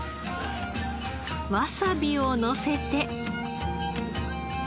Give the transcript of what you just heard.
わさびをのせて。